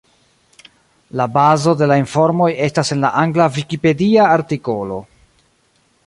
La bazo de la informoj estas en la angla vikipedia artikolo.